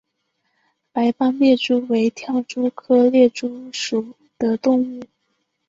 白斑猎蛛为跳蛛科猎蛛属的动物。